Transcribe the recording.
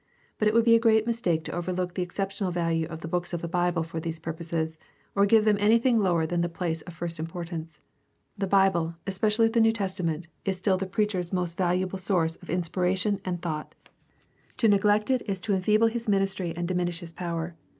But it would be a great mistake to overlook the exceptional value of the books of the Bible for these purposes, or give them anything lower than the place of first importance. The Bible, espe ' dally the New Testament, is still the preacher's most valuable 238 GUIDE TO STUDY OF CHRISTIAN RELIGION source of inspiration and thought. To neglect it is to enfeeble his ministry and diminish his power.